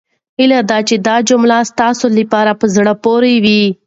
هيله ده چې دا جملې ستاسو لپاره په زړه پورې وي.